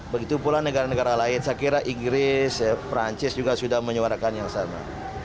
begitu pula negara negara lain saya kira inggris perancis juga sudah menyuarakan yang sama